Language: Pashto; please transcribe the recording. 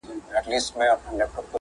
چې کابلۍ انجونې له ښکلی پیښورنه لاړې